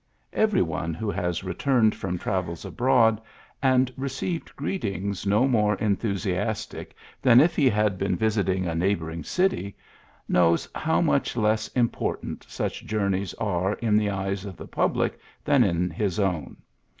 Everv one who has returned from travels abroad, and received greeting's no more enthusiastic than if he had been PHILLIPS BKOOKS 83 visiting a neighboring city, knows how much less important such journeys are in the eyes of the public than in his own.